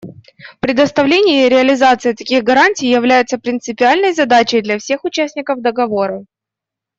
Предоставление и реализация таких гарантий является принципиальной задачей для всех участников Договора.